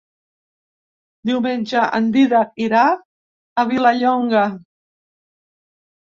Diumenge en Dídac irà a Vilallonga.